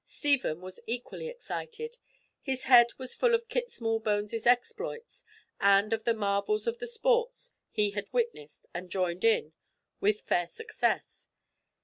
Stephen was equally excited. His head was full of Kit Smallbones' exploits, and of the marvels of the sports he had witnessed and joined in with fair success.